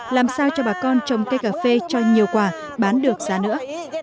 làm sao cho bà con trồng cây cà phê cho nhiều quả bán được giá nữa